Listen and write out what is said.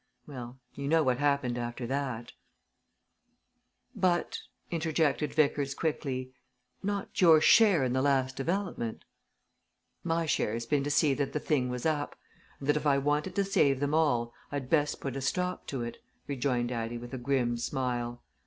Well you know what happened after that " "But," interjected Vickers, quickly, "not your share in the last development." "My share's been to see that the thing was up, and that if I wanted to save them all, I'd best put a stop to it," rejoined Addie, with a grim smile.